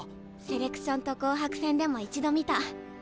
セレクションと紅白戦でも一度見た。